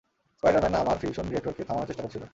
Spider Man আমার fusion রিয়েক্টরকে থামানোর চেষ্টা করছিল।